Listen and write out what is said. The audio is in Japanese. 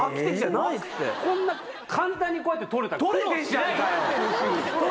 こんな簡単にこうやって取れたら。